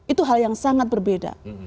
itu hal yang sangat berbeda